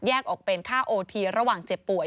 ออกเป็นค่าโอทีระหว่างเจ็บป่วย